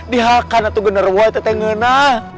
dihakan itu genarwo tetengena